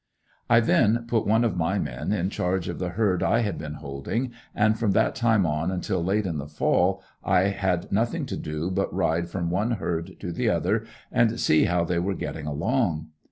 I then put one of my men in charge of the herd I had been holding, and from that time on until late in the fall I had nothing to do but ride from one herd to the other and see how they were getting along.